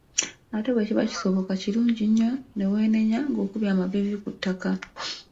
Ate bwe kiba kisoboka, kirungi nnyo ne weenenya ng'okubye amaviivi ku ttaka.